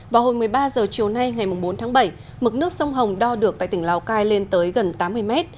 vào hồi một mươi ba h chiều nay ngày bốn tháng bảy mực nước sông hồng đo được tại tỉnh lào cai lên tới gần tám mươi mét